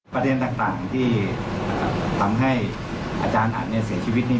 ประเด็นต่างที่ทำให้อาจารย์อัดเสียชีวิต